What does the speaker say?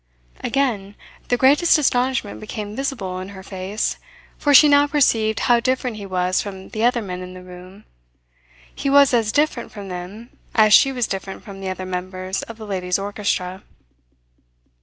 Again, the greatest astonishment became visible in her face; for she now perceived how different he was from the other men in the room. He was as different from them as she was different from the other members of the ladies' orchestra.